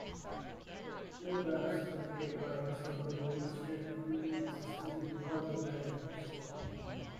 Four ramps connected by a subway give step free access between all the platforms.